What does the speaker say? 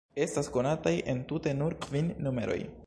Estas konataj entute nur kvin numeroj.